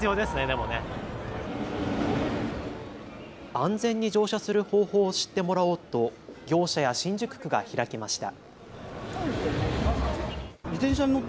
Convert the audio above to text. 安全に乗車する方法を知ってもらおうと業者や新宿区が開きました。